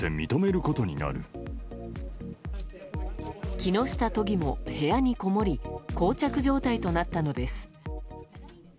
木下都議も、部屋にこもり膠着状態となったのです。